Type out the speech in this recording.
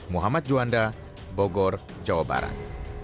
muhammad juanda bogor jawa barat